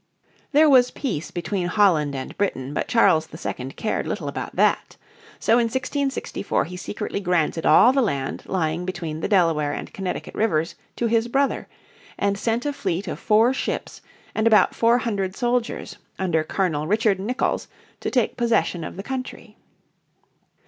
There was peace between Holland and Britain, but Charles II cared little about that. So in 1664 he secretly granted all the land lying between the Delaware and Connecticut rivers to his brother, and sent a fleet of four ships and about four hundred soldiers under Colonel Richard Nicolls to take possession of the country.